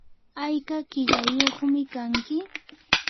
¿ayka qillayyuqmi kanki?